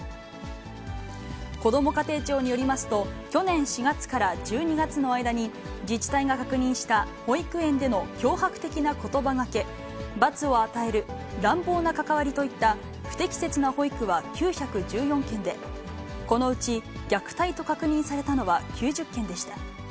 こども家庭庁によりますと、去年４月から１２月の間に、自治体が確認した保育園での脅迫的なことばがけ、罰を与える、乱暴な関わりといった不適切な保育は９１４件で、このうち虐待と確認されたのは９０件でした。